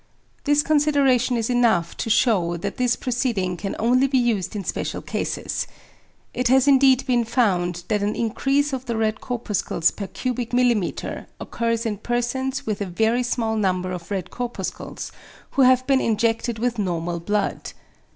This consideration is enough to shew that this proceeding can only be used in special cases. It has indeed been found that an increase of the red corpuscles per cubic millimetre occurs in persons with a very small number of red corpuscles, who have been injected with normal blood.